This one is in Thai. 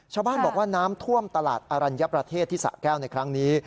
ชาวบ้านบอกว่าน้ำท่วมตลาดอรัญญประเทศที่สะแก้วในครั้งนี้